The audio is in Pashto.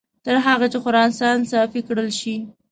تر هغه چې خراسان صافي کړل شي.